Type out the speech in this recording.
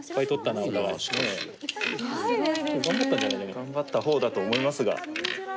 頑張った方だと思いますが。